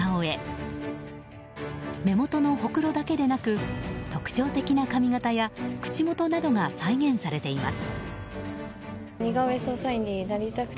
目元のほくろだけでなく特徴的な髪形や口元などが再現されています。